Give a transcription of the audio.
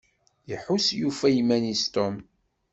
Iḥuss yufa iman-is Tom.